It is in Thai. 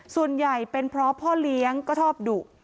ส่วนใหญ่เป็นเพราะพ่อเลี้ยงก็ชอบดุ